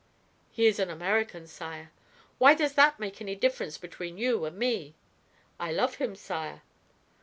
"He is an American, sire." "Why does that make a difference between you and me?" "I love him, sire."